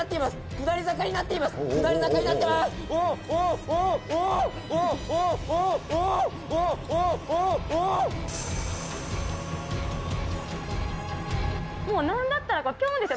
下り坂になっています。